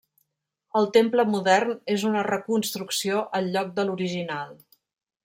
El temple modern és una reconstrucció al lloc de l'original.